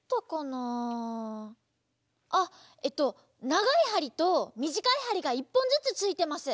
ながいはりとみじかいはりが１ぽんずつついてます。